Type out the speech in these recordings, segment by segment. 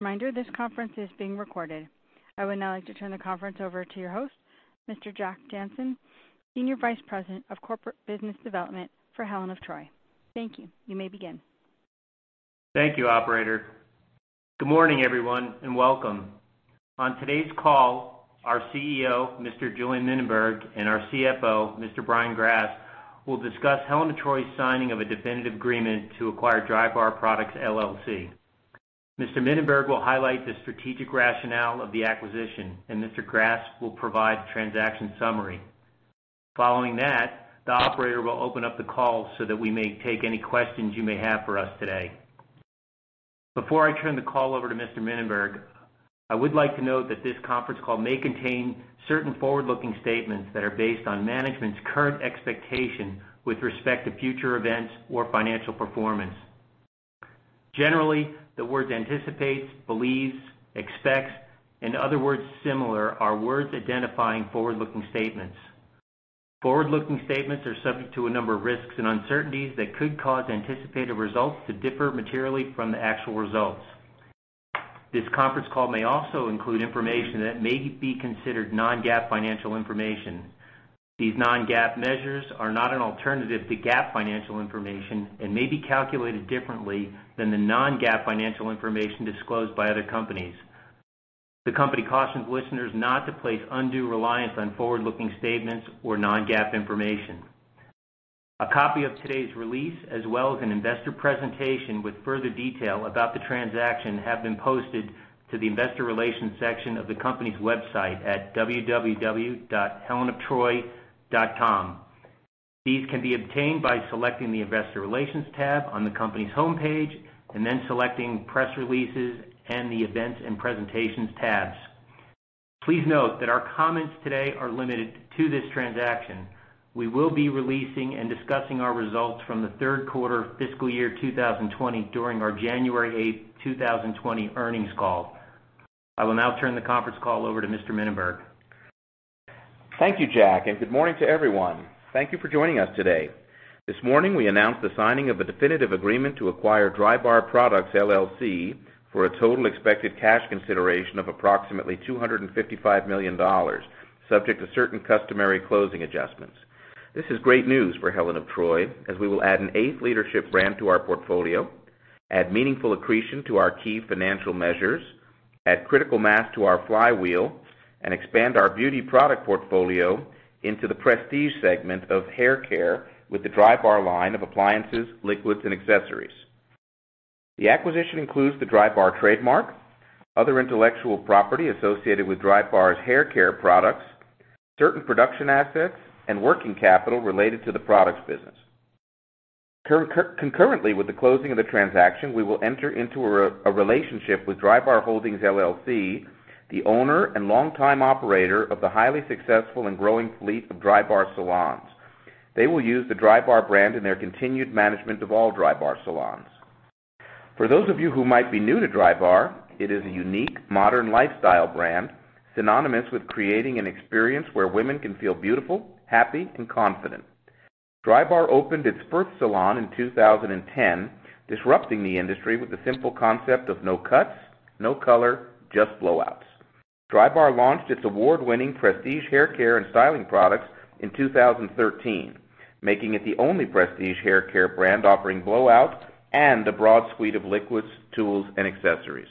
Reminder, this conference is being recorded. I would now like to turn the conference over to your host, Mr. Jack Jancin, Senior Vice President of Corporate Business Development for Helen of Troy. Thank you. You may begin. Thank you, operator. Good morning, everyone. Welcome. On today's call, our CEO, Mr. Julien Mininberg, and our CFO, Mr. Brian Grass, will discuss Helen of Troy's signing of a definitive agreement to acquire Drybar Products LLC. Mr. Mininberg will highlight the strategic rationale of the acquisition. Mr. Grass will provide the transaction summary. Following that, the operator will open up the call so that we may take any questions you may have for us today. Before I turn the call over to Mr. Mininberg, I would like to note that this conference call may contain certain forward-looking statements that are based on management's current expectation with respect to future events or financial performance. Generally, the words anticipates, believes, expects, and other words similar are words identifying forward-looking statements. Forward-looking statements are subject to a number of risks and uncertainties that could cause anticipated results to differ materially from the actual results. This conference call may also include information that may be considered non-GAAP financial information. These non-GAAP measures are not an alternative to GAAP financial information and may be calculated differently than the non-GAAP financial information disclosed by other companies. The company cautions listeners not to place undue reliance on forward-looking statements or non-GAAP information. A copy of today's release, as well as an investor presentation with further detail about the transaction, have been posted to the investor relations section of the company's website at www.helenoftroy.com. These can be obtained by selecting the investor relations tab on the company's homepage, and then selecting press releases and the events and presentations tabs. Please note that our comments today are limited to this transaction. We will be releasing and discussing our results from the third quarter of fiscal year 2020 during our January 8th, 2020 earnings call. I will now turn the conference call over to Mr. Mininberg. Thank you, Jack, and good morning to everyone. Thank you for joining us today. This morning, we announced the signing of a definitive agreement to acquire Drybar Products LLC for a total expected cash consideration of approximately $255 million, subject to certain customary closing adjustments. This is great news for Helen of Troy, as we will add an eighth leadership brand to our portfolio, add meaningful accretion to our key financial measures, add critical mass to our flywheel, and expand our beauty product portfolio into the prestige segment of haircare with the Drybar line of appliances, liquids, and accessories. The acquisition includes the Drybar trademark, other intellectual property associated with Drybar's haircare products, certain production assets, and working capital related to the products business. Concurrently with the closing of the transaction, we will enter into a relationship with Drybar Holdings LLC, the owner and longtime operator of the highly successful and growing fleet of Drybar salons. They will use the Drybar brand in their continued management of all Drybar salons. For those of you who might be new to Drybar, it is a unique modern lifestyle brand synonymous with creating an experience where women can feel beautiful, happy, and confident. Drybar opened its first salon in 2010, disrupting the industry with the simple concept of no cuts, no color, just blowouts. Drybar launched its award-winning prestige haircare and styling products in 2013, making it the only prestige haircare brand offering blowouts and a broad suite of liquids, tools, and accessories.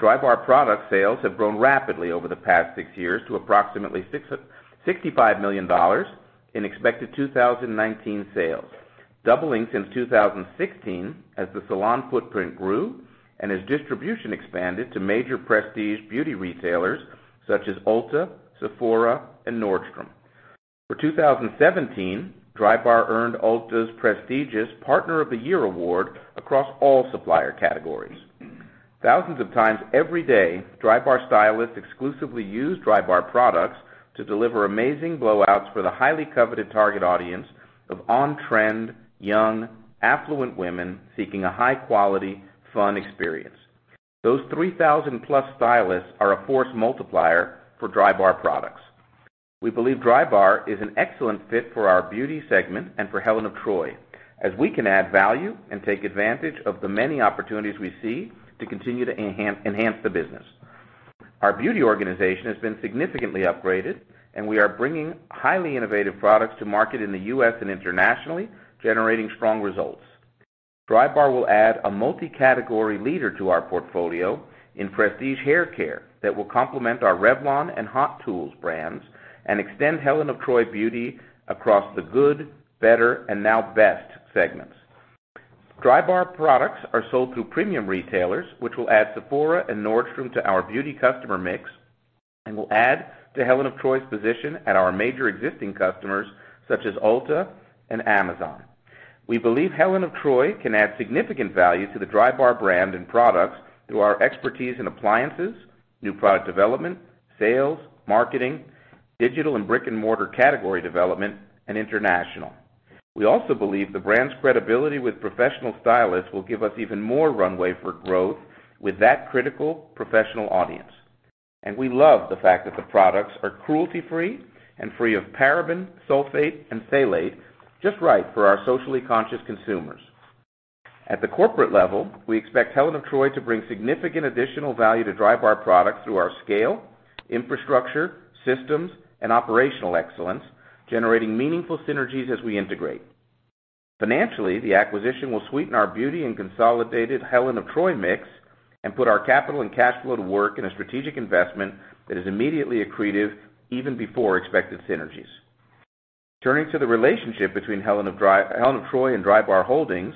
Drybar product sales have grown rapidly over the past six years to approximately $65 million in expected 2019 sales, doubling since 2016 as the salon footprint grew and as distribution expanded to major prestige beauty retailers such as Ulta, Sephora, and Nordstrom. For 2017, Drybar earned Ulta's prestigious Partner of the Year Award across all supplier categories. Thousands of times every day, Drybar stylists exclusively use Drybar products to deliver amazing blowouts for the highly coveted target audience of on-trend, young, affluent women seeking a high-quality, fun experience. Those 3,000-plus stylists are a force multiplier for Drybar products. We believe Drybar is an excellent fit for our beauty segment and for Helen of Troy, as we can add value and take advantage of the many opportunities we see to continue to enhance the business. Our beauty organization has been significantly upgraded, and we are bringing highly innovative products to market in the U.S. and internationally, generating strong results. Drybar will add a multi-category leader to our portfolio in prestige haircare that will complement our Revlon and Hot Tools brands and extend Helen of Troy Beauty across the good, better, and now best segments. Drybar products are sold through premium retailers, which will add Sephora and Nordstrom to our beauty customer mix and will add to Helen of Troy's position at our major existing customers such as Ulta and Amazon. We believe Helen of Troy can add significant value to the Drybar brand and products through our expertise in appliances, new product development, sales, marketing, digital and brick-and-mortar category development, and international. We also believe the brand's credibility with professional stylists will give us even more runway for growth with that critical professional audience. We love the fact that the products are cruelty-free and free of paraben, sulfate, and phthalate, just right for our socially conscious consumers. At the corporate level, we expect Helen of Troy to bring significant additional value to Drybar Products through our scale, infrastructure, systems, and operational excellence, generating meaningful synergies as we integrate. Financially, the acquisition will sweeten our beauty and consolidated Helen of Troy mix and put our capital and cash flow to work in a strategic investment that is immediately accretive even before expected synergies. Turning to the relationship between Helen of Troy and Drybar Holdings,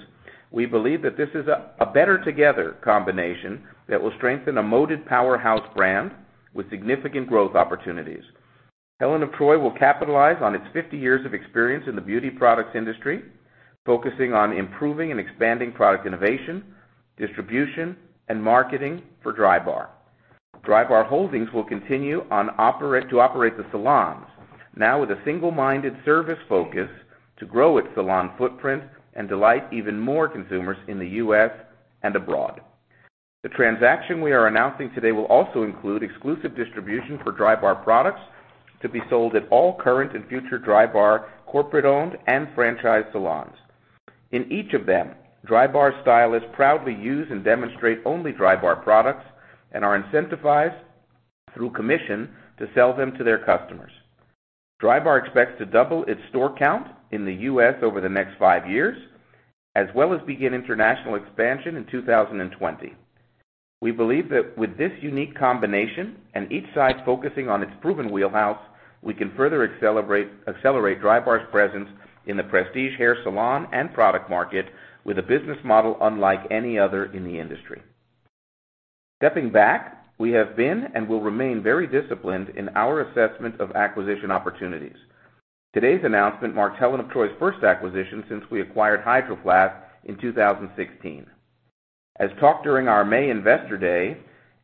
we believe that this is a better together combination that will strengthen a modeled powerhouse brand with significant growth opportunities. Helen of Troy will capitalize on its 50 years of experience in the beauty products industry, focusing on improving and expanding product innovation, distribution, and marketing for Drybar. Drybar Holdings will continue to operate the salons, now with a single-minded service focus to grow its salon footprint and delight even more consumers in the U.S. and abroad. The transaction we are announcing today will also include exclusive distribution for Drybar products to be sold at all current and future Drybar corporate-owned and franchise salons. In each of them, Drybar stylists proudly use and demonstrate only Drybar products and are incentivized through commission to sell them to their customers. Drybar expects to double its store count in the U.S. over the next five years, as well as begin international expansion in 2020. We believe that with this unique combination and each side focusing on its proven wheelhouse, we can further accelerate Drybar's presence in the prestige hair salon and product market with a business model unlike any other in the industry. Stepping back, we have been and will remain very disciplined in our assessment of acquisition opportunities. Today's announcement marks Helen of Troy's first acquisition since we acquired Hydro Flask in 2016. As talked during our May investor day,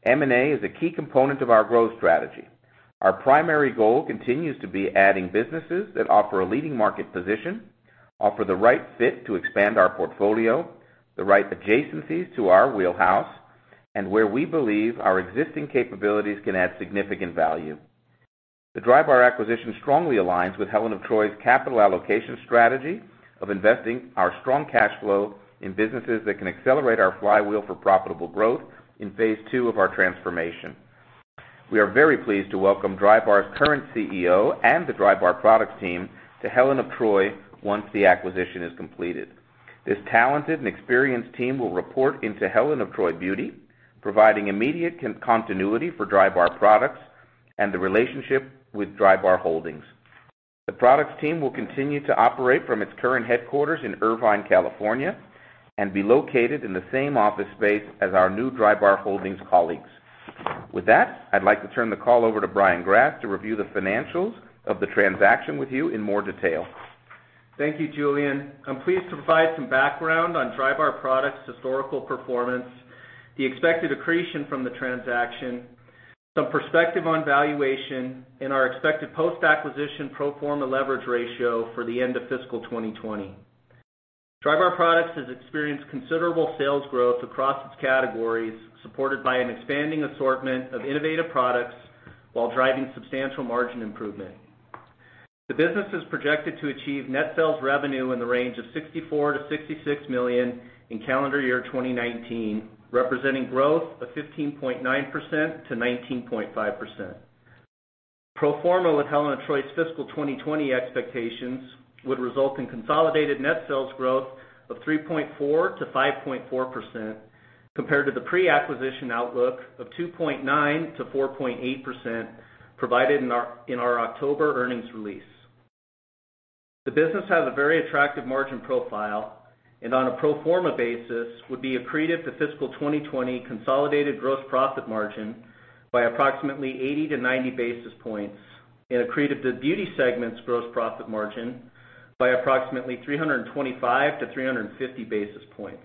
M&A is a key component of our growth strategy. Our primary goal continues to be adding businesses that offer a leading market position, offer the right fit to expand our portfolio, the right adjacencies to our wheelhouse, and where we believe our existing capabilities can add significant value. The Drybar acquisition strongly aligns with Helen of Troy's capital allocation strategy of investing our strong cash flow in businesses that can accelerate our flywheel for profitable growth in phase two of our transformation. We are very pleased to welcome Drybar's current CEO and the Drybar Products team to Helen of Troy once the acquisition is completed. This talented and experienced team will report into Helen of Troy Beauty, providing immediate continuity for Drybar Products and the relationship with Drybar Holdings. The products team will continue to operate from its current headquarters in Irvine, California, and be located in the same office space as our new Drybar Holdings colleagues. With that, I'd like to turn the call over to Brian Grass to review the financials of the transaction with you in more detail. Thank you, Julien. I'm pleased to provide some background on Drybar Products' historical performance, the expected accretion from the transaction, some perspective on valuation, and our expected post-acquisition pro forma leverage ratio for the end of fiscal 2020. Drybar Products has experienced considerable sales growth across its categories, supported by an expanding assortment of innovative products while driving substantial margin improvement. The business is projected to achieve net sales revenue in the range of $64 million-$66 million in calendar year 2019, representing growth of 15.9%-19.5%. Pro forma with Helen of Troy's fiscal 2020 expectations would result in consolidated net sales growth of 3.4%-5.4%, compared to the pre-acquisition outlook of 2.9%-4.8% provided in our October earnings release. The business has a very attractive margin profile, and on a pro forma basis, would be accretive to fiscal 2020 consolidated gross profit margin by approximately 80-90 basis points and accretive to beauty segment's gross profit margin by approximately 325-350 basis points.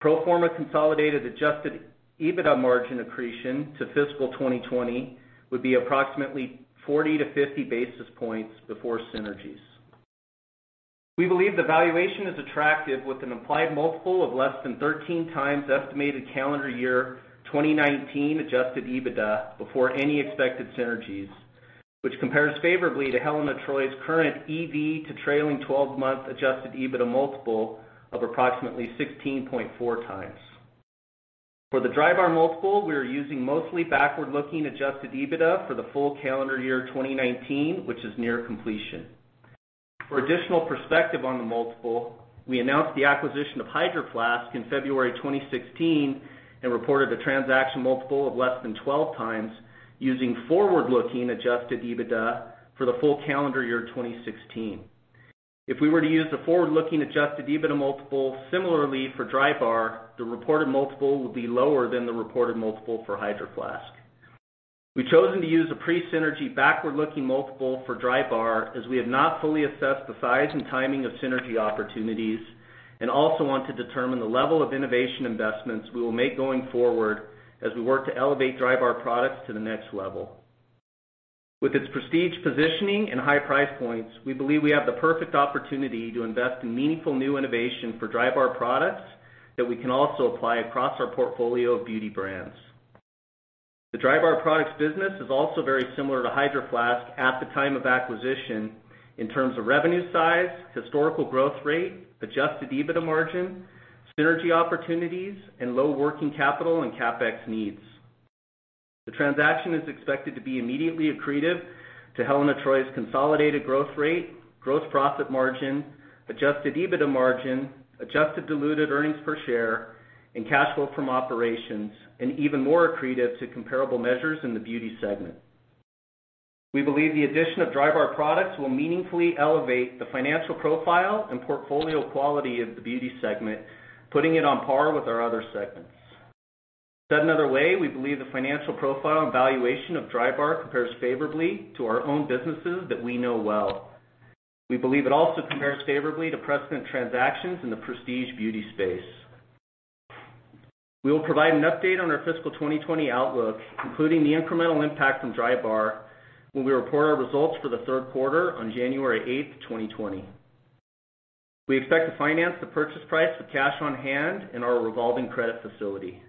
Pro forma consolidated adjusted EBITDA margin accretion to fiscal 2020 would be approximately 40-50 basis points before synergies. We believe the valuation is attractive with an implied multiple of less than 13x the estimated calendar year 2019 adjusted EBITDA before any expected synergies, which compares favorably to Helen of Troy's current EV to trailing 12-month adjusted EBITDA multiple of approximately 16.4x. For the Drybar multiple, we are using mostly backward-looking adjusted EBITDA for the full calendar year 2019, which is near completion. For additional perspective on the multiple, we announced the acquisition of Hydro Flask in February 2016 and reported a transaction multiple of less than 12x using forward-looking adjusted EBITDA for the full calendar year 2016. If we were to use the forward-looking adjusted EBITDA multiple similarly for Drybar, the reported multiple would be lower than the reported multiple for Hydro Flask. We've chosen to use a pre-synergy backward-looking multiple for Drybar, as we have not fully assessed the size and timing of synergy opportunities and also want to determine the level of innovation investments we will make going forward as we work to elevate Drybar products to the next level. With its prestige positioning and high price points, we believe we have the perfect opportunity to invest in meaningful new innovation for Drybar products that we can also apply across our portfolio of beauty brands. The Drybar Products business is also very similar to Hydro Flask at the time of acquisition in terms of revenue size, historical growth rate, adjusted EBITDA margin, synergy opportunities, and low working capital and CapEx needs. The transaction is expected to be immediately accretive to Helen of Troy's consolidated growth rate, gross profit margin, adjusted EBITDA margin, adjusted diluted earnings per share, and cash flow from operations, and even more accretive to comparable measures in the Beauty segment. We believe the addition of Drybar Products will meaningfully elevate the financial profile and portfolio quality of the Beauty segment, putting it on par with our other segments. Said another way, we believe the financial profile and valuation of Drybar compares favorably to our own businesses that we know well. We believe it also compares favorably to precedent transactions in the prestige beauty space. We will provide an update on our fiscal 2020 outlook, including the incremental impact from Drybar, when we report our results for the third quarter on January 8th, 2020. We expect to finance the purchase price with cash on hand and our revolving credit facility.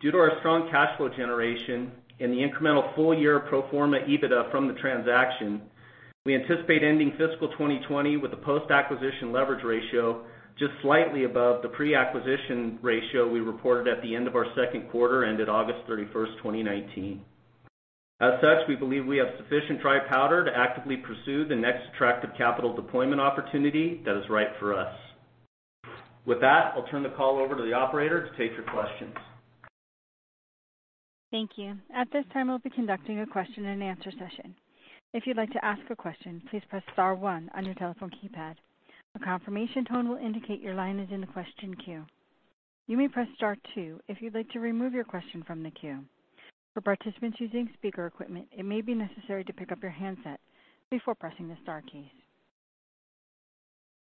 Due to our strong cash flow generation and the incremental full-year pro forma EBITDA from the transaction, we anticipate ending fiscal 2020 with a post-acquisition leverage ratio just slightly above the pre-acquisition ratio we reported at the end of our second quarter ended August 31st, 2019. We believe we have sufficient dry powder to actively pursue the next attractive capital deployment opportunity that is right for us. With that, I'll turn the call over to the operator to take your questions. Thank you. At this time, we'll be conducting a question and answer session. If you'd like to ask a question, please press star one on your telephone keypad. A confirmation tone will indicate your line is in the question queue. You may press star two if you'd like to remove your question from the queue. For participants using speaker equipment, it may be necessary to pick up your handset before pressing the star key.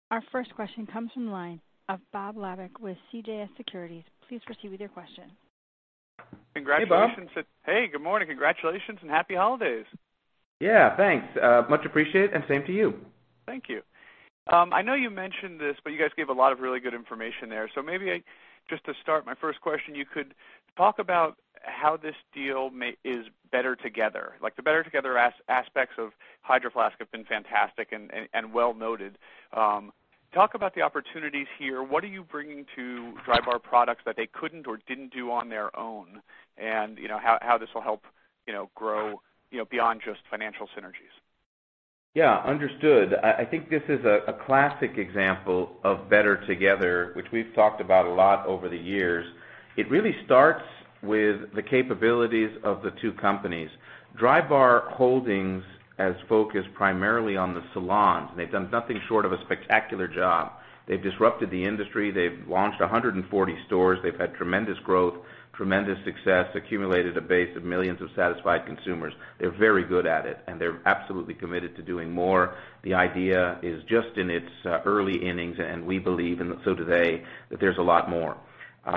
Our first question comes from the line of Bob Labick with CJS Securities. Please proceed with your question. Congratulations. Hey, Bob. Hey, good morning. Congratulations, and happy holidays. Yeah, thanks. Much appreciated, and same to you. Thank you. I know you mentioned this, you guys gave a lot of really good information there. Maybe just to start my first question, you could talk about how this deal is better together. The better together aspects of Hydro Flask have been fantastic and well noted. Talk about the opportunities here. What are you bringing to Drybar Products that they couldn't or didn't do on their own? How this will help grow beyond just financial synergies. Yeah, understood. I think this is a classic example of better together, which we've talked about a lot over the years. It really starts with the capabilities of the two companies. Drybar Holdings has focused primarily on the salons, and they've done nothing short of a spectacular job. They've disrupted the industry. They've launched 140 stores. They've had tremendous growth, tremendous success, accumulated a base of millions of satisfied consumers. They're very good at it, and they're absolutely committed to doing more. The idea is just in its early innings, and we believe, and so do they, that there's a lot more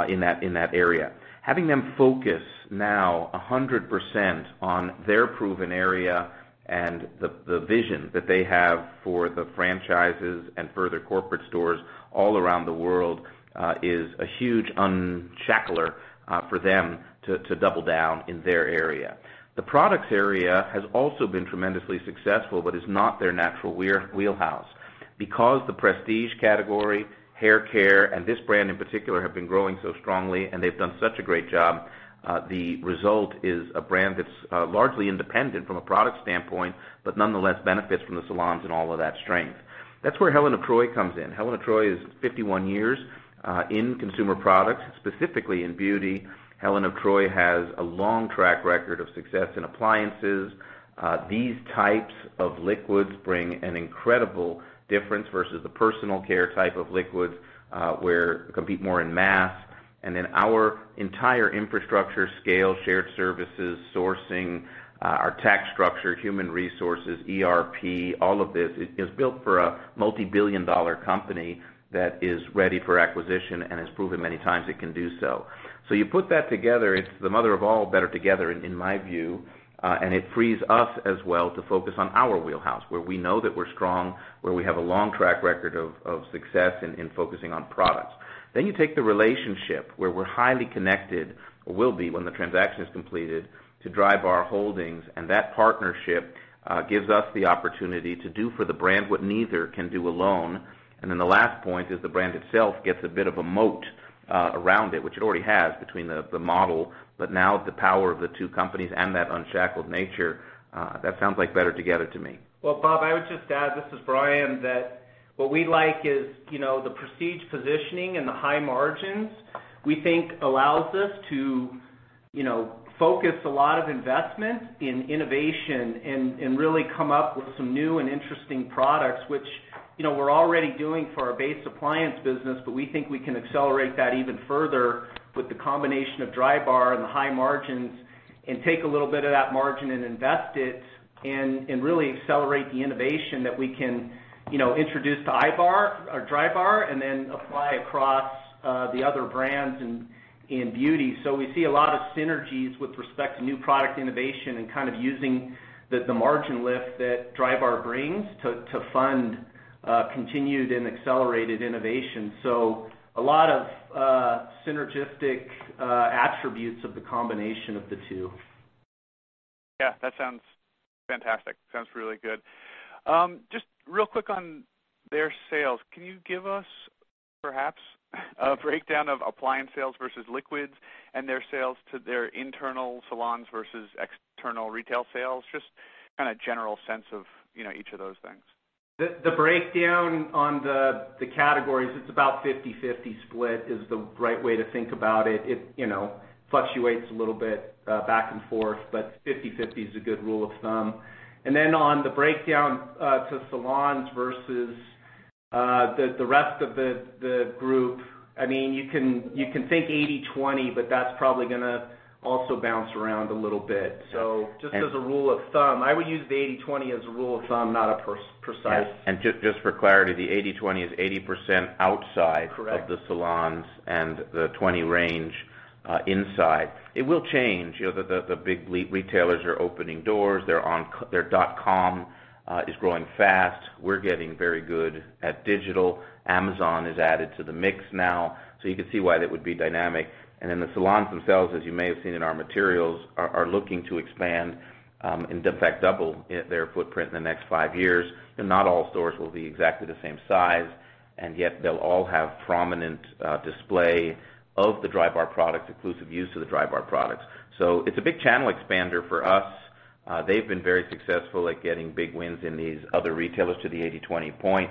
in that area. Having them focus now 100% on their proven area and the vision that they have for the franchises and further corporate stores all around the world is a huge unshackler for them to double down in their area. The products area has also been tremendously successful, but is not their natural wheelhouse. The prestige category, hair care, and this brand in particular have been growing so strongly and they've done such a great job, the result is a brand that's largely independent from a product standpoint, but nonetheless benefits from the salons and all of that strength. That's where Helen of Troy comes in. Helen of Troy is 51 years in consumer products, specifically in beauty. Helen of Troy has a long track record of success in appliances. These types of liquids bring an incredible difference versus the personal care type of liquids, where compete more in mass. Our entire infrastructure scale, shared services, sourcing, our tax structure, human resources, ERP, all of this is built for a multi-billion dollar company that is ready for acquisition and has proven many times it can do so. You put that together, it's the mother of all better together in my view, and it frees us as well to focus on our wheelhouse, where we know that we're strong, where we have a long track record of success in focusing on products. You take the relationship where we're highly connected, or will be when the transaction is completed, to Drybar Holdings, and that partnership gives us the opportunity to do for the brand what neither can do alone. The last point is the brand itself gets a bit of a moat around it, which it already has between the model, but now the power of the two companies and that unshackled nature, that sounds like better together to me. Bob Labick, I would just add, this is Brian, that what we like is the prestige positioning and the high margins we think allows us to focus a lot of investment in innovation and really come up with some new and interesting products, which we're already doing for our base appliance business, but we think we can accelerate that even further with the combination of Drybar and the high margins and take a little bit of that margin and invest it and really accelerate the innovation that we can introduce to Drybar and then apply across the other brands in beauty. We see a lot of synergies with respect to new product innovation and kind of using the margin lift that Drybar brings to fund continued and accelerated innovation. A lot of synergistic attributes of the combination of the two. Yeah. That sounds fantastic. Sounds really good. Just real quick on their sales, can you give us perhaps a breakdown of appliance sales versus liquids and their sales to their internal salons versus external retail sales? Just kind of general sense of each of those things. The breakdown on the categories, it's about 50/50 split, is the right way to think about it. It fluctuates a little bit back and forth, but 50/50 is a good rule of thumb. Then on the breakdown to salons versus the rest of the group, you can think 80/20, but that's probably going to also bounce around a little bit. Just as a rule of thumb, I would use the 80/20 as a rule of thumb. Yes. Just for clarity, the 80/20 is 80% outside-. Correct of the salons, the 20 range inside. It will change. The big retailers are opening doors. Their dot-com is growing fast. We're getting very good at digital. Amazon is added to the mix now, you could see why that would be dynamic. The salons themselves, as you may have seen in our materials, are looking to expand, in fact, double their footprint in the next five years, not all stores will be exactly the same size, yet they'll all have prominent display of the Drybar products, exclusive use of the Drybar products. It's a big channel expander for us. They've been very successful at getting big wins in these other retailers to the 80/20 point.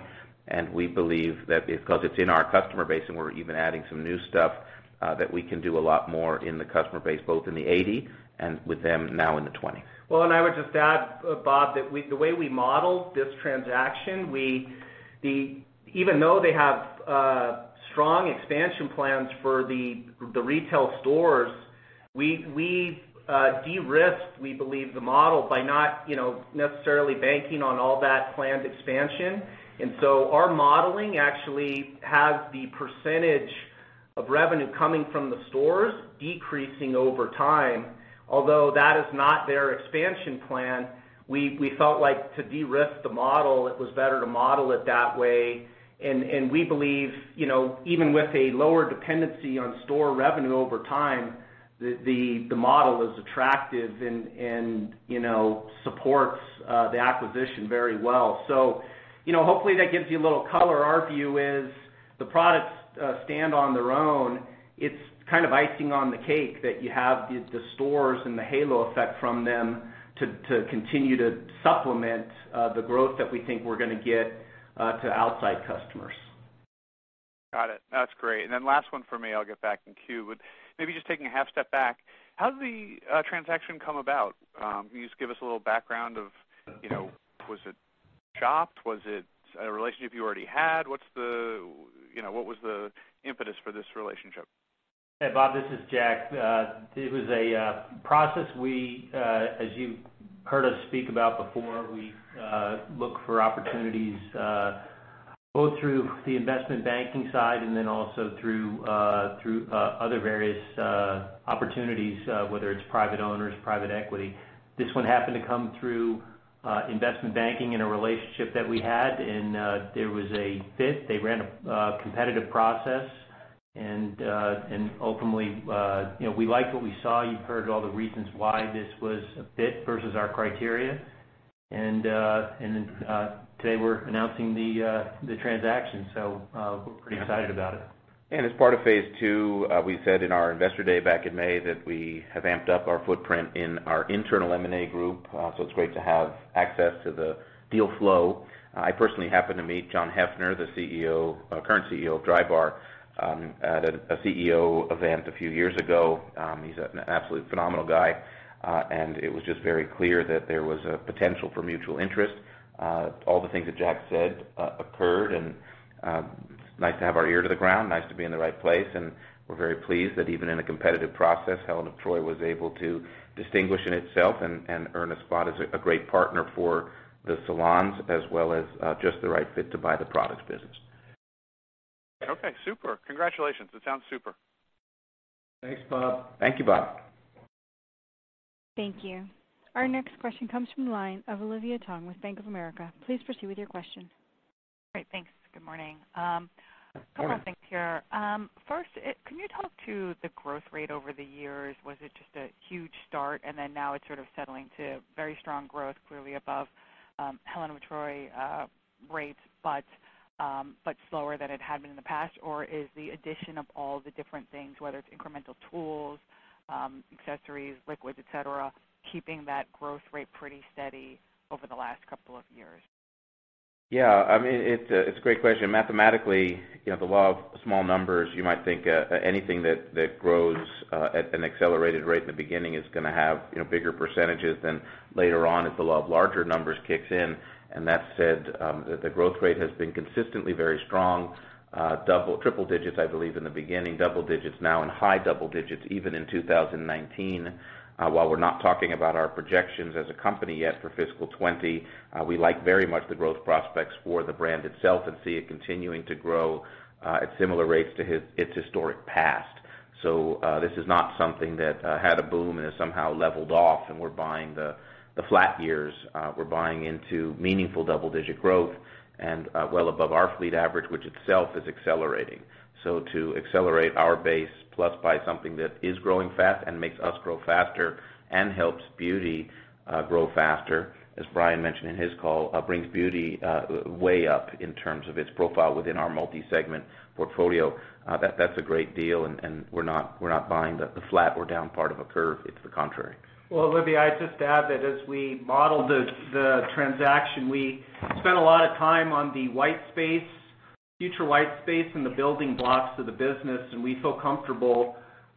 We believe that because it's in our customer base and we're even adding some new stuff, that we can do a lot more in the customer base, both in the 80, and with them now in the 20. I would just add, Bob, that the way we modeled this transaction, even though they have strong expansion plans for the retail stores, we de-risked, we believe, the model by not necessarily banking on all that planned expansion. Our modeling actually has the percentage of revenue coming from the stores decreasing over time. Although that is not their expansion plan, we felt like to de-risk the model, it was better to model it that way, and we believe, even with a lower dependency on store revenue over time, the model is attractive and supports the acquisition very well. Hopefully that gives you a little color. Our view is the products stand on their own. It's kind of icing on the cake that you have the stores and the halo effect from them to continue to supplement the growth that we think we're going to get to outside customers. Got it. That's great. Last one from me, I'll get back in queue. Maybe just taking a half step back, how did the transaction come about? Can you just give us a little background of, was it shopped? Was it a relationship you already had? What was the impetus for this relationship? Hey, Bob, this is Jack. It was a process we, as you've heard us speak about before, we look for opportunities both through the investment banking side and then also through other various opportunities, whether it's private owners, private equity. This one happened to come through investment banking in a relationship that we had, and there was a fit. They ran a competitive process and ultimately we liked what we saw. You've heard all the reasons why this was a fit versus our criteria. Today we're announcing the transaction. We're pretty excited about it. As part of phase 2, we said in our investor day back in May that we have amped up our footprint in our internal M&A group, so it's great to have access to the deal flow. I personally happened to meet John Heffner, the current CEO of Drybar, at a CEO event a few years ago. He's an absolutely phenomenal guy. It was just very clear that there was a potential for mutual interest. All the things that Jack said occurred, and it's nice to have our ear to the ground, nice to be in the right place, and we're very pleased that even in a competitive process, Helen of Troy was able to distinguish itself and earn a spot as a great partner for the salons, as well as just the right fit to buy the products business. Okay, super. Congratulations. It sounds super. Thanks, Bob. Thank you, Bob. Thank you. Our next question comes from the line of Olivia Tong with Bank of America. Please proceed with your question. Great. Thanks. Good morning. Hi. A couple of things here. First, can you talk to the growth rate over the years? Was it just a huge start and then now it's sort of settling to very strong growth, clearly above Helen of Troy rates, but slower than it had been in the past? Is the addition of all the different things, whether it's incremental tools, accessories, liquids, et cetera, keeping that growth rate pretty steady over the last couple of years? It's a great question. Mathematically, the law of small numbers, you might think anything that grows at an accelerated rate in the beginning is going to have bigger percentages than later on as the law of larger numbers kicks in. That said, the growth rate has been consistently very strong. Triple digits, I believe, in the beginning, double digits now, and high double digits even in 2019. While we're not talking about our projections as a company yet for fiscal 2020, we like very much the growth prospects for the brand itself and see it continuing to grow at similar rates to its historic past. This is not something that had a boom and has somehow leveled off and we're buying the flat years. We're buying into meaningful double-digit growth and well above our fleet average, which itself is accelerating. To accelerate our base plus buy something that is growing fast and makes us grow faster and helps beauty grow faster, as Brian mentioned in his call, brings beauty way up in terms of its profile within our multi-segment portfolio. That's a great deal, we're not buying the flat or down part of a curve, it's the contrary. Well, Olivia, I'd just add that as we modeled the transaction, we spent a lot of time on the future white space and the building blocks of the business, and we feel comfortable.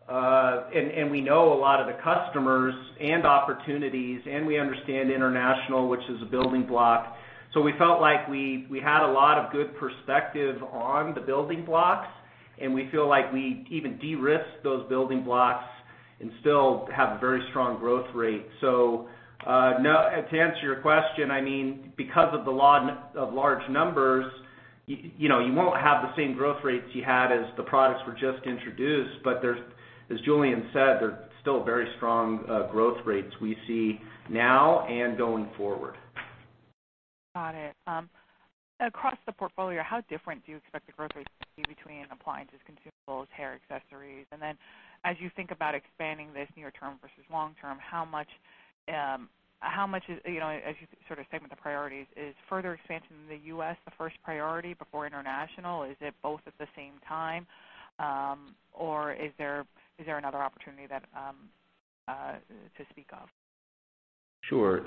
We know a lot of the customers and opportunities, and we understand international, which is a building block. We felt like we had a lot of good perspective on the building blocks, and we feel like we even de-risked those building blocks and still have a very strong growth rate. To answer your question, because of the law of large numbers, you won't have the same growth rates you had as the products were just introduced, but as Julien said, they're still very strong growth rates we see now and going forward. Got it. Across the portfolio, how different do you expect the growth rates to be between appliances, consumables, hair accessories? As you think about expanding this near term versus long term, as you sort of segment the priorities, is further expansion in the U.S. the first priority before international? Is it both at the same time? Is there another opportunity to speak of? Sure.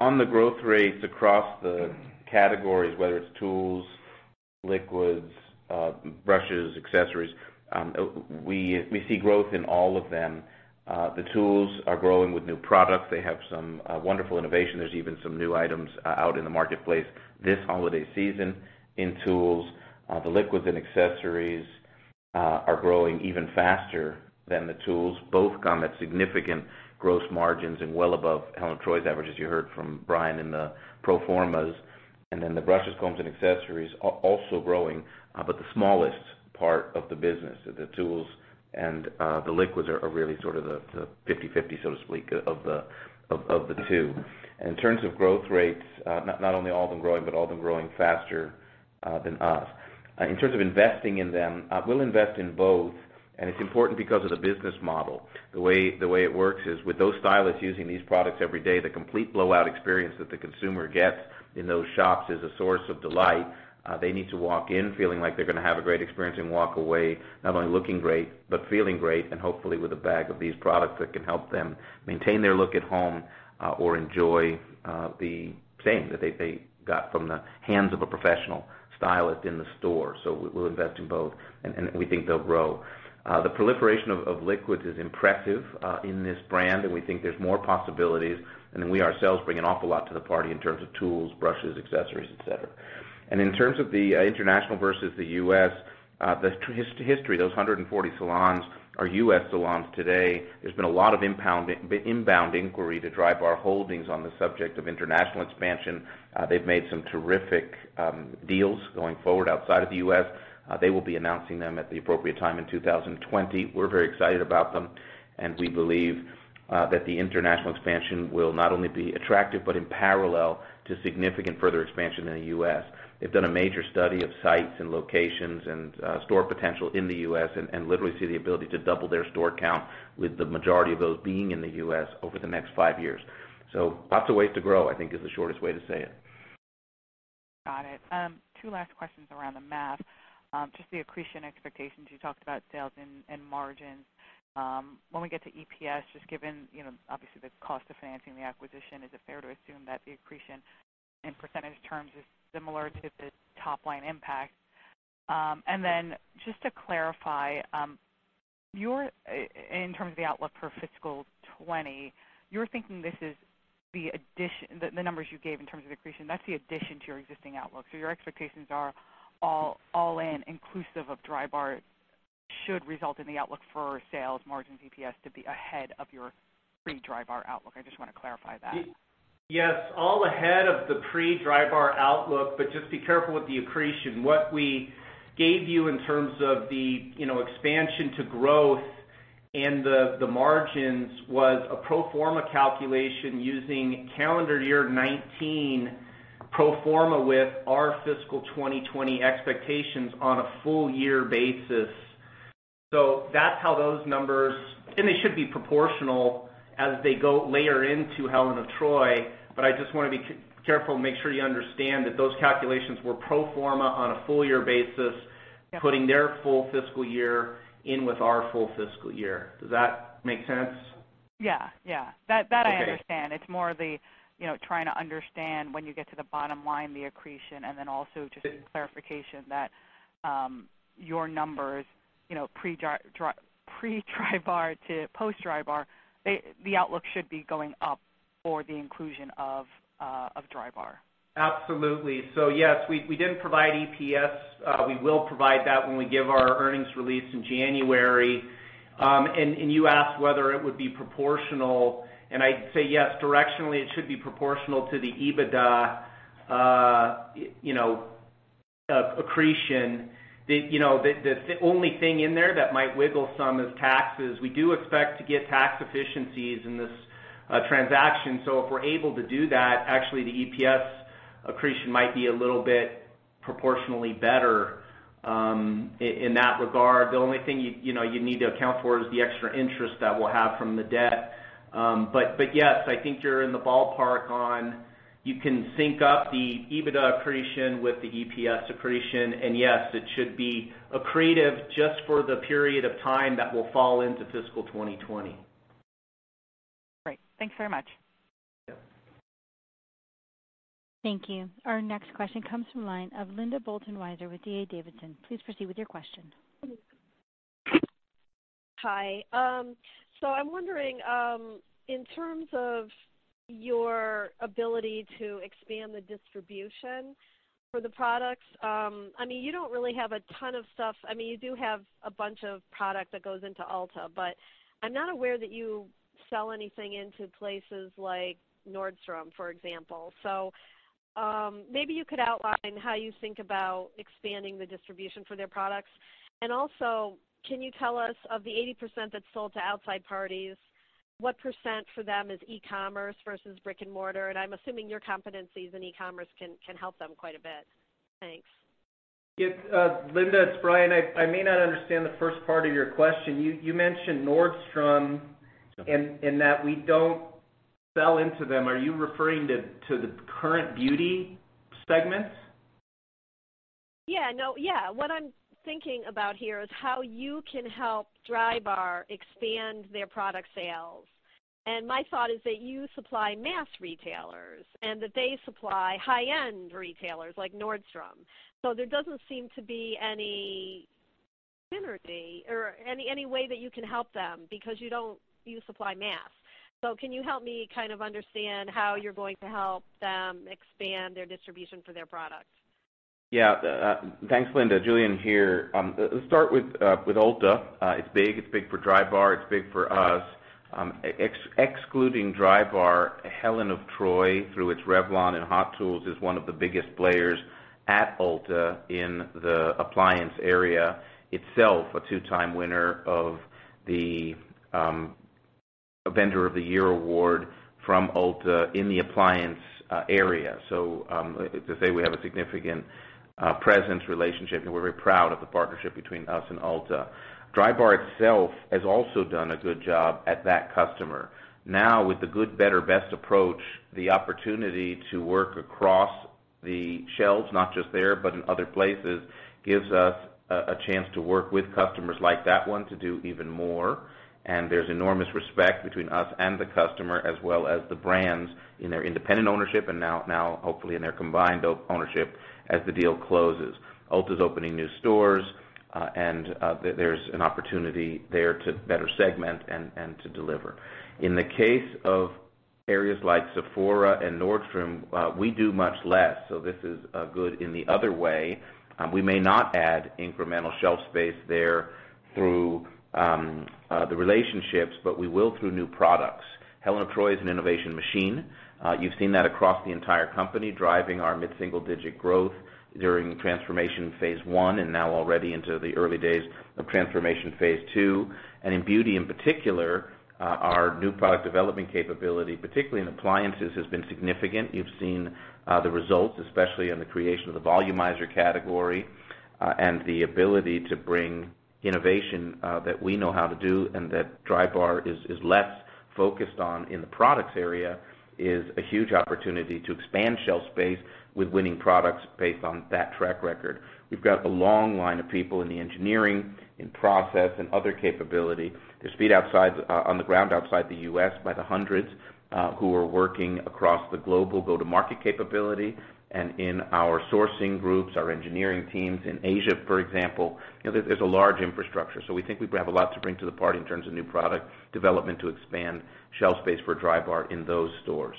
On the growth rates across the categories, whether it's tools, liquids, brushes, accessories, we see growth in all of them. The tools are growing with new products. They have some wonderful innovation. There's even some new items out in the marketplace this holiday season in tools. The liquids and accessories are growing even faster than the tools. Both come at significant gross margins and well above Helen of Troy's average, as you heard from Brian in the pro formas. The brushes, combs, and accessories also growing, but the smallest part of the business. The tools and the liquids are really sort of the 50/50, so to speak, of the two. In terms of growth rates, not only all of them growing, but all of them growing faster than us. In terms of investing in them, we'll invest in both, and it's important because of the business model. The way it works is, with those stylists using these products every day, the complete blowout experience that the consumer gets in those shops is a source of delight. They need to walk in feeling like they're going to have a great experience and walk away not only looking great, but feeling great, and hopefully with a bag of these products that can help them maintain their look at home, or enjoy the same that they got from the hands of a professional stylist in the store. We'll invest in both, and we think they'll grow. The proliferation of liquids is impressive in this brand, and we think there's more possibilities. We ourselves bring an awful lot to the party in terms of tools, brushes, accessories, et cetera. In terms of the international versus the U.S., the history, those 140 salons are U.S. salons today. There's been a lot of inbound inquiry to Drybar Holdings on the subject of international expansion. They've made some terrific deals going forward outside of the U.S. They will be announcing them at the appropriate time in 2020. We're very excited about them, and we believe that the international expansion will not only be attractive, but in parallel to significant further expansion in the U.S. They've done a major study of sites and locations and store potential in the U.S., and literally see the ability to double their store count, with the majority of those being in the U.S. over the next five years. Lots of ways to grow, I think is the shortest way to say it. Got it. Two last questions around the math. Just the accretion expectations, you talked about sales and margins. When we get to EPS, just given, obviously the cost of financing the acquisition, is it fair to assume that the accretion in % terms is similar to the top-line impact? Just to clarify, in terms of the outlook for fiscal 2020, you're thinking the numbers you gave in terms of accretion, that's the addition to your existing outlook. Your expectations are all in inclusive of Drybar should result in the outlook for sales margin EPS to be ahead of your pre-Drybar outlook. I just want to clarify that. Yes. All ahead of the pre-Drybar outlook, but just be careful with the accretion. What we gave you in terms of the expansion to growth and the margins was a pro forma calculation using calendar year 2019 pro forma with our fiscal 2020 expectations on a full year basis. That's how those numbers. And they should be proportional as they go later into Helen of Troy. I just want to be careful and make sure you understand that those calculations were pro forma on a full year basis. Yeah putting their full fiscal year in with our full fiscal year. Does that make sense? Yeah. That I understand. Okay. It's more of the trying to understand when you get to the bottom line, the accretion, and then also just some clarification that your numbers, pre-Drybar to post-Drybar, the outlook should be going up for the inclusion of Drybar. Absolutely. Yes, we didn't provide EPS. We will provide that when we give our earnings release in January. You asked whether it would be proportional, and I'd say yes, directionally it should be proportional to the EBITDA accretion. The only thing in there that might wiggle some is taxes. We do expect to get tax efficiencies in this transaction. If we're able to do that, actually, the EPS accretion might be a little bit proportionally better in that regard. The only thing you'd need to account for is the extra interest that we'll have from the debt. Yes, I think you're in the ballpark on, you can sync up the EBITDA accretion with the EPS accretion, yes, it should be accretive just for the period of time that will fall into fiscal 2020. Great. Thanks very much. Yeah. Thank you. Our next question comes from the line of Linda Bolton-Weiser with D.A. Davidson. Please proceed with your question. Hi. I'm wondering, in terms of your ability to expand the distribution for the products, you don't really have a ton of stuff. You do have a bunch of product that goes into Ulta, but I'm not aware that you sell anything into places like Nordstrom, for example. Maybe you could outline how you think about expanding the distribution for their products. Also, can you tell us, of the 80% that's sold to outside parties, what percent for them is e-commerce versus brick and mortar? I'm assuming your competencies in e-commerce can help them quite a bit. Thanks. Yes. Linda, it's Brian. I may not understand the first part of your question. You mentioned Nordstrom and that we don't sell into them. Are you referring to the current beauty segment? What I'm thinking about here is how you can help Drybar expand their product sales. My thought is that you supply mass retailers, and that they supply high-end retailers like Nordstrom. There doesn't seem to be any synergy or any way that you can help them because you supply mass. Can you help me kind of understand how you're going to help them expand their distribution for their products? Yeah. Thanks, Linda. Julien here. Let's start with Ulta. It's big. It's big for Drybar. It's big for us. Excluding Drybar, Helen of Troy, through its Revlon and Hot Tools, is one of the biggest players at Ulta in the appliance area, itself a two-time winner of the Vendor of the Year award from Ulta in the appliance area. To say we have a significant presence, relationship, and we're very proud of the partnership between us and Ulta. Drybar itself has also done a good job at that customer. Now, with the good, better, best approach, the opportunity to work across the shelves, not just there, but in other places, gives us a chance to work with customers like that one to do even more. There's enormous respect between us and the customer, as well as the brands in their independent ownership, and now hopefully in their combined ownership as the deal closes. Ulta's opening new stores, there's an opportunity there to better segment and to deliver. In the case of areas like Sephora and Nordstrom, we do much less. This is good in the other way. We may not add incremental shelf space there through the relationships, but we will through new products. Helen of Troy is an innovation machine. You've seen that across the entire company, driving our mid-single-digit growth during transformation phase 1, now already into the early days of transformation phase 2. In beauty in particular, our new product development capability, particularly in appliances, has been significant. You've seen the results, especially in the creation of the Volumizer category, the ability to bring innovation that we know how to do and that Drybar is less focused on in the products area, is a huge opportunity to expand shelf space with winning products based on that track record. We've got a long line of people in the engineering, in process, and other capability. There's speed on the ground outside the U.S. by the hundreds, who are working across the global go-to-market capability and in our sourcing groups, our engineering teams. In Asia, for example, there's a large infrastructure. We think we have a lot to bring to the party in terms of new product development to expand shelf space for Drybar in those stores.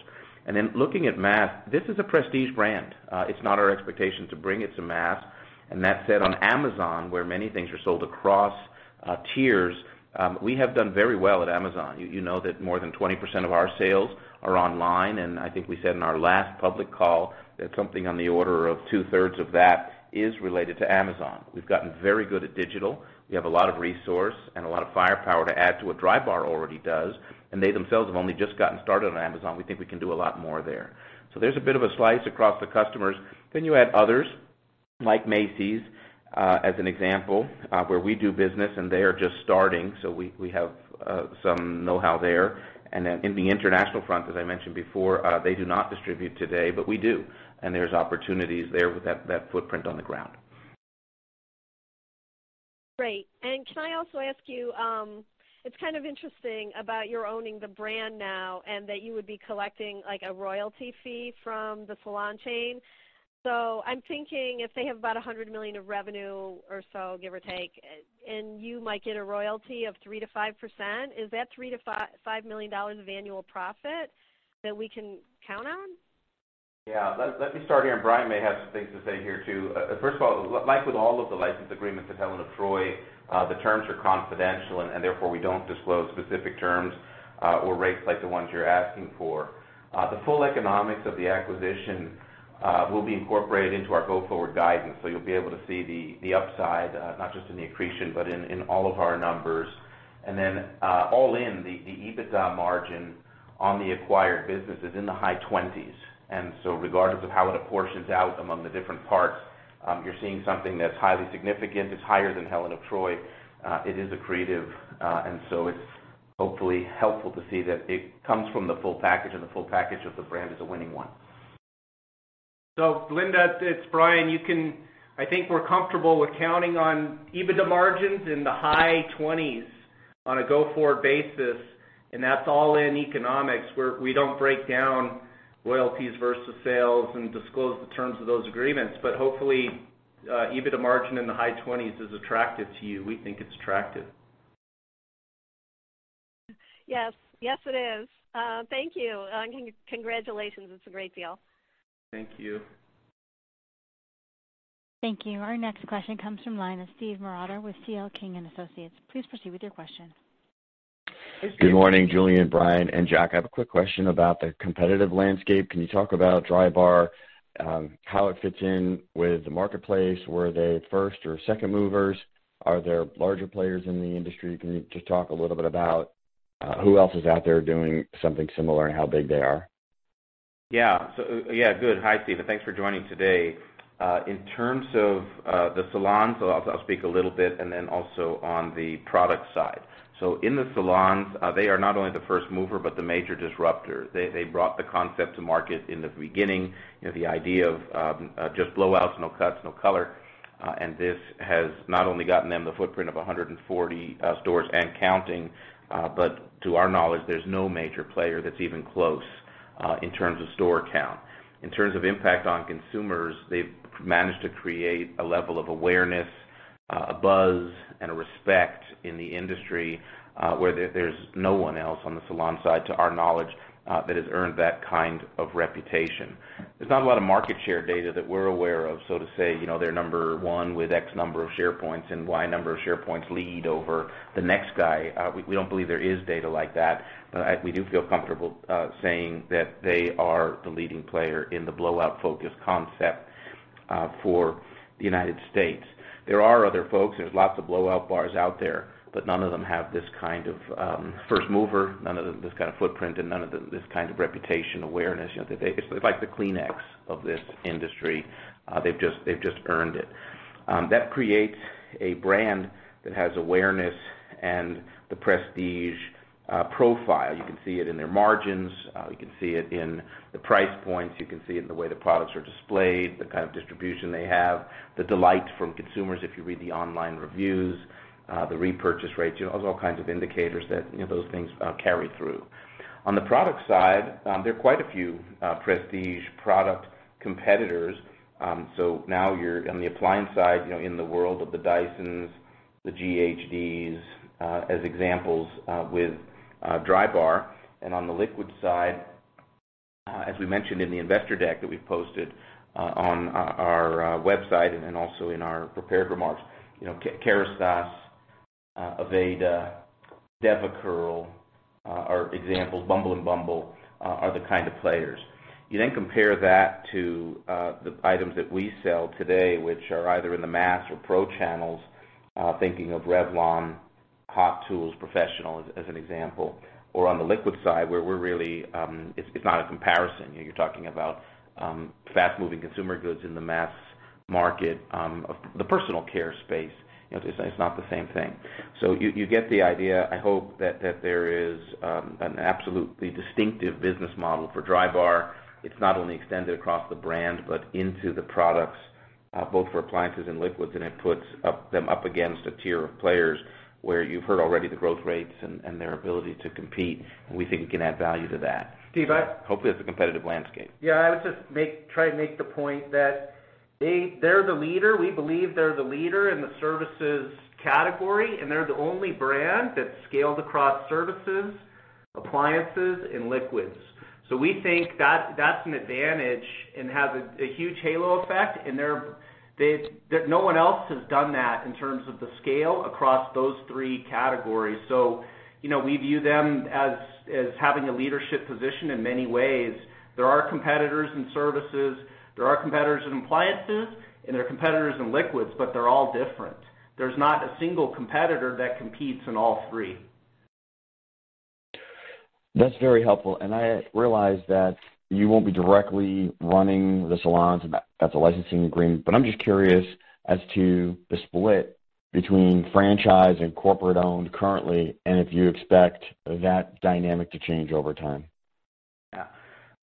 Looking at mass, this is a prestige brand. It's not our expectation to bring it to mass. That said, on Amazon, where many things are sold across tiers, we have done very well at Amazon. You know that more than 20% of our sales are online, and I think we said in our last public call that something on the order of two-thirds of that is related to Amazon. We've gotten very good at digital. We have a lot of resource and a lot of firepower to add to what Drybar already does, and they themselves have only just gotten started on Amazon. We think we can do a lot more there. There's a bit of a slice across the customers. You add others, like Macy's, as an example, where we do business and they are just starting. We have some know-how there. In the international front, as I mentioned before, they do not distribute today, but we do, and there is opportunities there with that footprint on the ground. Great. Can I also ask you, it's kind of interesting about your owning the brand now, and that you would be collecting a royalty fee from the salon chain. I'm thinking if they have about $100 million of revenue or so, give or take, and you might get a royalty of 3%-5%, is that $3 million-$5 million of annual profit that we can count on? Yeah. Let me start here, and Brian may have some things to say here, too. First of all, like with all of the license agreements at Helen of Troy, the terms are confidential and therefore we don't disclose specific terms or rates like the ones you're asking for. The full economics of the acquisition will be incorporated into our go-forward guidance, so you'll be able to see the upside, not just in the accretion, but in all of our numbers. All in, the EBITDA margin on the acquired business is in the high 20s. Regardless of how it apportions out among the different parts, you're seeing something that's highly significant. It's higher than Helen of Troy. It is accretive. It's hopefully helpful to see that it comes from the full package. The full package of the brand is a winning one. Linda, it's Brian. I think we're comfortable with counting on EBITDA margins in the high 20s on a go-forward basis, and that's all-in economics, where we don't break down royalties versus sales and disclose the terms of those agreements. Hopefully, EBITDA margin in the high 20s is attractive to you. We think it's attractive. Yes. Yes, it is. Thank you. Congratulations. It's a great deal. Thank you. Thank you. Our next question comes from the line of Steve Marotta with C.L. King & Associates. Please proceed with your question. Good morning, Julien, Brian, and Jack. I have a quick question about the competitive landscape. Can you talk about Drybar, how it fits in with the marketplace? Were they first or second movers? Are there larger players in the industry? Can you just talk a little bit about who else is out there doing something similar and how big they are? Yeah. Good. Hi, Steve, and thanks for joining today. In terms of the salons, I'll speak a little bit and then also on the product side. In the salons, they are not only the first mover but the major disruptor. They brought the concept to market in the beginning, the idea of just blowouts, no cuts, no color, and this has not only gotten them the footprint of 140 stores and counting. To our knowledge, there's no major player that's even close in terms of store count. In terms of impact on consumers, they've managed to create a level of awareness, a buzz, and a respect in the industry, where there's no one else on the salon side, to our knowledge, that has earned that kind of reputation. There's not a lot of market share data that we're aware of, so to say, they're number one with X number of share points and Y number of share points lead over the next guy. We don't believe there is data like that, we do feel comfortable saying that they are the leading player in the blowout-focused concept for the United States. There are other folks, there's lots of blowout bars out there, none of them have this kind of first mover, none of them this kind of footprint, and none of this kind of reputation awareness. They're like the Kleenex of this industry. They've just earned it. That creates a brand that has awareness and the prestige profile. You can see it in their margins. You can see it in the price points. You can see it in the way the products are displayed, the kind of distribution they have, the delight from consumers if you read the online reviews, the repurchase rates, all kinds of indicators that those things carry through. On the product side, there are quite a few prestige product competitors. Now you're on the appliance side, in the world of the Dysons, the ghds, as examples with Drybar. On the liquid side, as we mentioned in the investor deck that we've posted on our website and then also in our prepared remarks, Kérastase, Aveda, DevaCurl are examples. Bumble and bumble are the kind of players. You then compare that to the items that we sell today, which are either in the mass or pro channels, thinking of Revlon, Hot Tools Professional, as an example, or on the liquid side, where it's not a comparison. You're talking about fast-moving consumer goods in the mass market of the personal care space. It's not the same thing. You get the idea, I hope, that there is an absolutely distinctive business model for Drybar. It's not only extended across the brand but into the products, both for appliances and liquids, and it puts them up against a tier of players where you've heard already the growth rates and their ability to compete, and we think we can add value to that. Steve, Hopefully that's a competitive landscape. Yeah, I would just try and make the point that we believe they're the leader in the services category, and they're the only brand that's scaled across services, appliances, and liquids. We think that's an advantage and has a huge halo effect, and no one else has done that in terms of the scale across those three categories. We view them as having a leadership position in many ways. There are competitors in services, there are competitors in appliances, and there are competitors in liquids, but they're all different. There's not a single competitor that competes in all three. That's very helpful. I realize that you won't be directly running the salons. That's a licensing agreement. I'm just curious as to the split between franchise and corporate-owned currently, and if you expect that dynamic to change over time.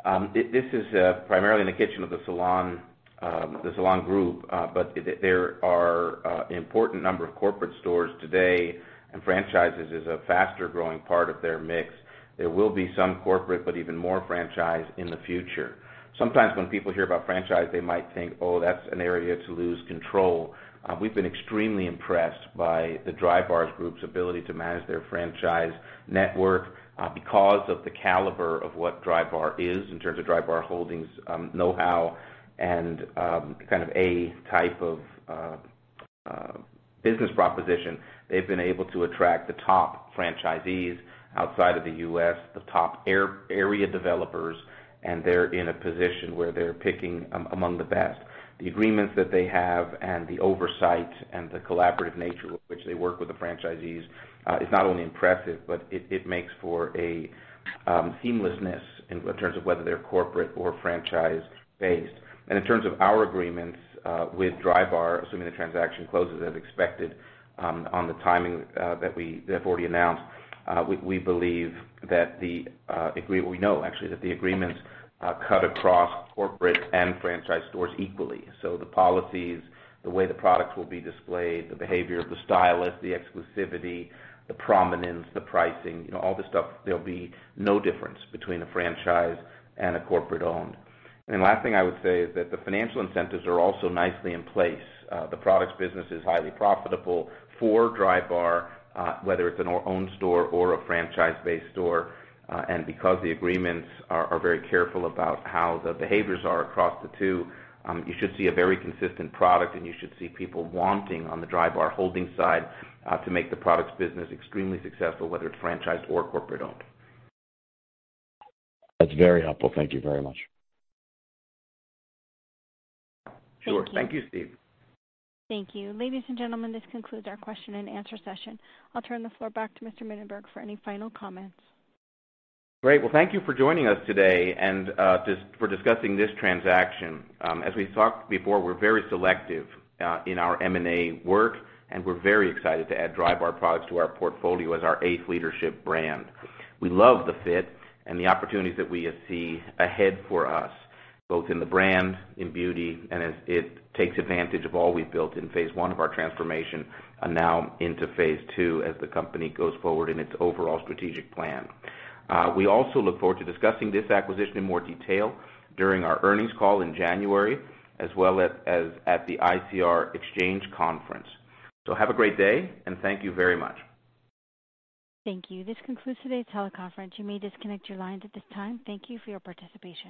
Yeah. This is primarily in the kitchen of the salon group. There are an important number of corporate stores today, and franchises is a faster-growing part of their mix. There will be some corporate, but even more franchise in the future. Sometimes when people hear about franchise, they might think, "Oh, that's an area to lose control." We've been extremely impressed by the Drybar Group's ability to manage their franchise network because of the caliber of what Drybar is in terms of Drybar Holdings' know-how and kind of a type of business proposition, they've been able to attract the top franchisees outside of the U.S., the top area developers, and they're in a position where they're picking among the best. The agreements that they have and the oversight and the collaborative nature with which they work with the franchisees is not only impressive, but it makes for a seamlessness in terms of whether they're corporate or franchise-based. In terms of our agreements with Drybar, assuming the transaction closes as expected on the timing that we have already announced, we believe that we know actually that the agreements cut across corporate and franchise stores equally. The policies, the way the products will be displayed, the behavior of the stylist, the exclusivity, the prominence, the pricing, all this stuff, there'll be no difference between a franchise and a corporate-owned. The last thing I would say is that the financial incentives are also nicely in place. The products business is highly profitable for Drybar, whether it's an owned store or a franchise-based store. Because the agreements are very careful about how the behaviors are across the two, you should see a very consistent product, and you should see people wanting on the Drybar Holdings side to make the products business extremely successful, whether it's franchised or corporate-owned. That's very helpful. Thank you very much. Sure. Thank you, Steve. Thank you. Ladies and gentlemen, this concludes our question and answer session. I'll turn the floor back to Mr. Mininberg for any final comments. Great. Well, thank you for joining us today and for discussing this transaction. As we've talked before, we're very selective in our M&A work, and we're very excited to add Drybar Products to our portfolio as our eighth leadership brand. We love the fit and the opportunities that we see ahead for us, both in the brand, in beauty, and as it takes advantage of all we've built in phase one of our transformation and now into phase two as the company goes forward in its overall strategic plan. We also look forward to discussing this acquisition in more detail during our earnings call in January, as well as at the ICR XChange conference. Have a great day, and thank you very much. Thank you. This concludes today's teleconference. You may disconnect your lines at this time. Thank you for your participation.